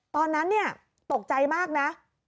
ตอนนั้นเนี่ยตกใจมากนะ